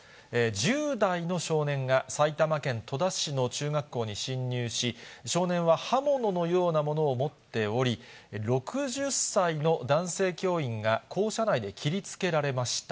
１０代の少年が、埼玉県戸田市の中学校に侵入し、少年は刃物のようなものを持っており、６０歳の男性教員が校舎内で切りつけられました。